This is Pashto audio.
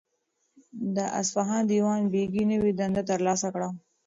د اصفهان دیوان بیګي نوی دنده ترلاسه کړه.